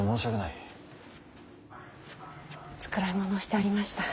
繕い物をしておりました。